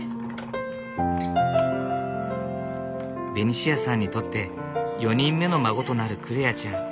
ベニシアさんにとって４人目の孫となる來愛ちゃん。